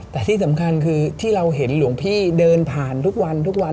แต่ที่สำคัญคือที่เราเห็นหลวงพี่เดินผ่านทุกวันทุกวัน